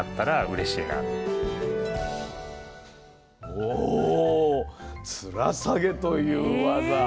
おつらさげという技ね。